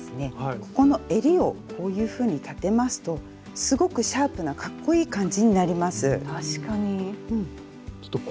ここのえりをこういうふうに立てますとすごくシャープなかっこいい感じになります。